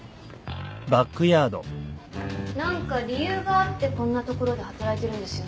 何か理由があってこんな所で働いてるんですよね？